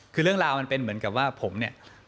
คือเรื่องราวมันเป็นเหมือนกับว่าผมเนี่ย